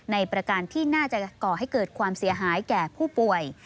ประการที่น่าจะก่อให้เกิดความเสียหายแก่ผู้ป่วย